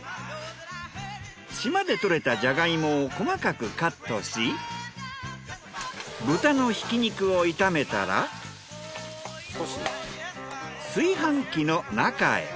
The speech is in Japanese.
島で採れたジャガイモを細かくカットし豚のひき肉を炒めたら炊飯器の中へ。